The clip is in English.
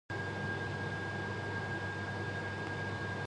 Yellow stripes at lateral sides of pronotum are narrow.